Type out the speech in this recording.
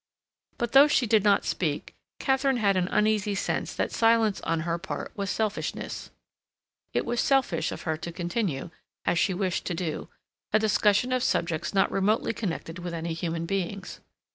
But though she did not speak, Katharine had an uneasy sense that silence on her part was selfishness. It was selfish of her to continue, as she wished to do, a discussion of subjects not remotely connected with any human beings.